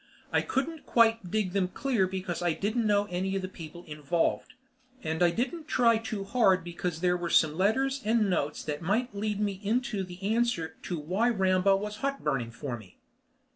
I couldn't quite dig them clear because I didn't know any of the people involved, and I didn't try too hard because there were some letters and notes that might lead me into the answer to why Rambaugh was hotburning for me.